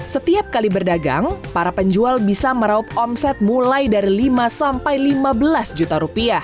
setiap kali berdagang para penjual bisa meraup omset mulai dari lima sampai lima belas juta